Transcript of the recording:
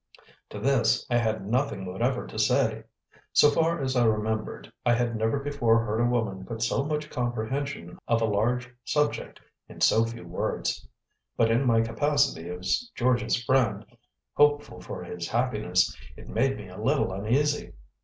To this I had nothing whatever to say. So far as I remembered, I had never before heard a woman put so much comprehension of a large subject into so few words, but in my capacity as George's friend, hopeful for his happiness, it made me a little uneasy.